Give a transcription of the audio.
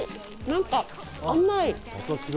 何か甘い。